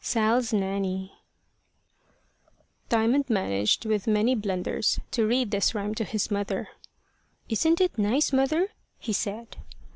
SAL'S NANNY DIAMOND managed with many blunders to read this rhyme to his mother. "Isn't it nice, mother?" he said.